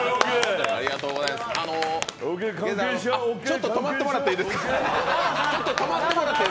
ちょっと止まってもらっていいですか？